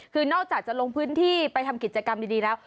คือนอกจากจะลงพื้นที่ไปทำกิจกรรมดีแล้ว